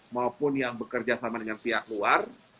maupun yang bekerja sama dengan pihak luar